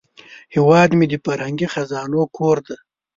هیواد مې د فرهنګي خزانو کور دی